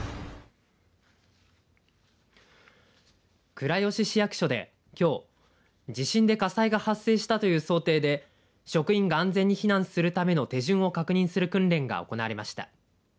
倉吉市役所で、きょう地震で火災が発生したという想定で職員が安全に避難するための手順を確認する訓練が行われました。